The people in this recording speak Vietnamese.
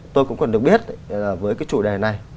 tôi cũng còn được biết với cái chủ đề này